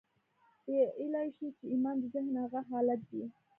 ويلای شو چې ايمان د ذهن هغه حالت دی.